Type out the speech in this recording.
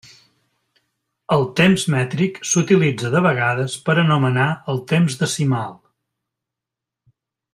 El temps mètric s'utilitza de vegades per anomenar el temps decimal.